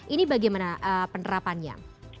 ini bagaimana penerapannya